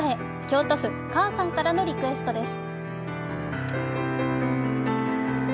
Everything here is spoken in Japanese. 京都府かあさんからのリクエストです。